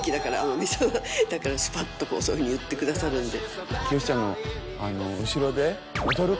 だからスパっとそういうふうに言ってくださるんで。